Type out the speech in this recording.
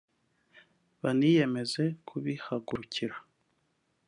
baniyemeza kubihagurukira